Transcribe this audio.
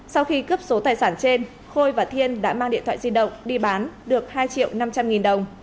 sau khi cướp số tài sản trên khôi và thiên đã mang điện thoại di động đi bán được hai triệu năm trăm linh nghìn đồng